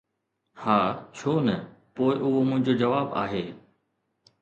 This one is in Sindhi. ”ها، ڇو نه؟“ ”پوءِ اهو منهنجو جواب آهي.